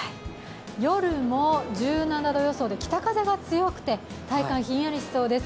夜も１７度予想で北風が強くて、体感、ひんやりしそうです。